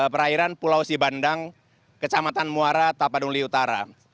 perairan pulau sibandang kecamatan muara tapaduli utara